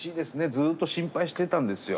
ずっと心配していたんですよ。